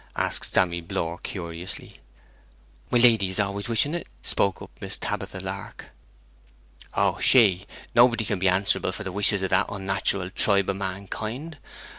asked Sammy Blore curiously. 'My lady is always wishing it,' spoke up Miss Tabitha Lark. 'Oh, she! Nobody can be answerable for the wishes of that onnatural tribe of mankind.